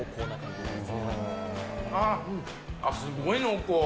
すごい濃厚。